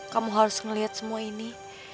kamu harus melihat semua ini